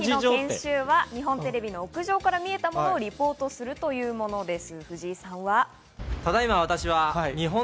日本テレビの屋上から見えたものをリポートするというものです。